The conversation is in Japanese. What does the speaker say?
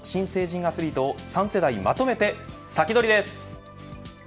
アツリートを３世代まとめて先取りです。